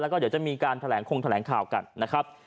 แล้วก็เดี๋ยวจะมีการแถลงคงแถลงข่าวกันนะครับ